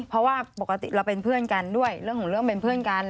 เพราะว่าปกติเราเป็นเพื่อนกันด้วยเรื่องของเรื่องเป็นเพื่อนกัน